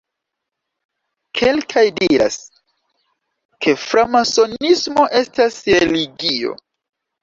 Kelkaj diras, ke framasonismo estas religio.